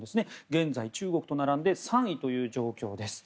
現在、中国と並んで３位という状況です。